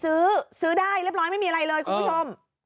ซื้อซื้อได้เรียบร้อยไม่มีอะไรเลยคุณผู้ชม